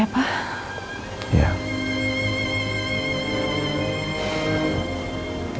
yaudah kita istirahat ma